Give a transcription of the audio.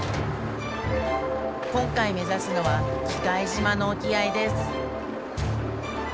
今回目指すのは喜界島の沖合です